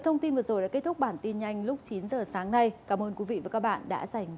thông tin vừa rồi đã kết thúc bản tin nhanh lúc chín h sáng nay cảm ơn quý vị và các bạn đã dành thời gian theo dõi